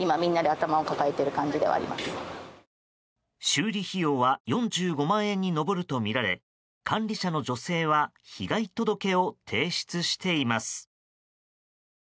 修理費用は４５万円に上るとみられ管理者の女性は被害届を提出しています。